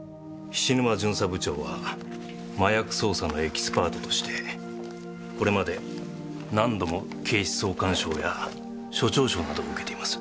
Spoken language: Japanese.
菱沼巡査部長は麻薬捜査のエキスパートとしてこれまで何度も警視総監賞や署長賞などを受けています。